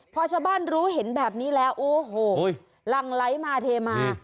พอชาวบ้านรู้เห็นแบบนี้แล้วโอ้โหหลังไหลมาเทมา